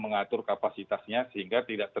mengatur kapasitasnya sehingga tidak